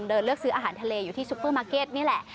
เลือกซื้ออาหารทะเลอยู่ที่ซุปเปอร์มาร์เก็ตนี่แหละ